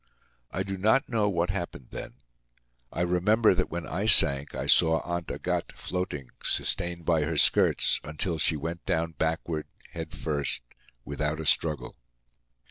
I do not know what happened then. I remember that when I sank I saw Aunt Agathe floating, sustained by her skirts, until she went down backward, head first, without a struggle.